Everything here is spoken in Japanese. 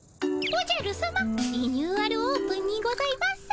おじゃるさま「リニューアルオープン」にございます。